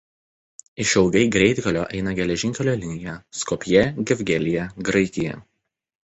Išilgai greitkelio eina geležinkelio linija Skopjė–Gevgelija–Graikija.